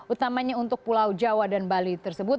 utamanya untuk pulau jawa dan bali tersebut